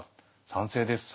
賛成です。